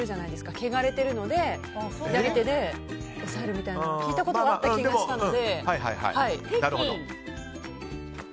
汚れているので左手で押さえるみたいなのを聞いたことがあった気がしたので。